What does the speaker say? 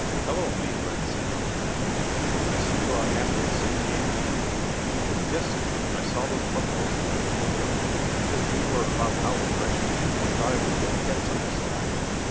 "Hello! may friend," sang out the captain, "I see you are after the same game we are." "Yes, sir; I saw those buffaloes coming over the hill, and as we were about out of fresh meat I thought I would go and get some," said I.